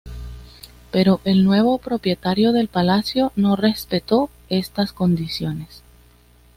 Pero el nuevo propietario del palacio no respetó estas condiciones.